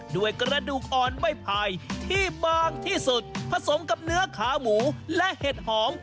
ด้วยกระดูกอ่อนใบไผ่ที่บางที่สุดผสมกับเนื้อขาหมูและเห็ดหอม